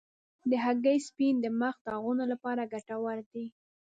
د هګۍ سپین د مخ د داغونو لپاره ګټور دی.